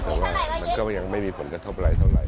แต่ว่ามันก็ยังไม่มีผลกระทบอะไรเท่าไห